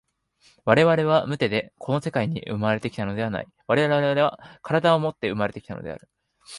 我々は無手でこの世界に生まれて来たのではない、我々は身体をもって生まれて来たのである。